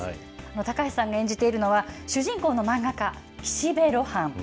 高橋さんが演じているのは、主人公の漫画家、岸辺露伴。